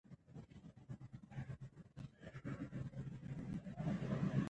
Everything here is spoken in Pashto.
هغه چای نه څښي.